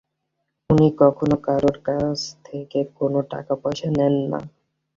উনি কখনো কারও কাছ থেকে কোনো টাকা পয়সা নেন না।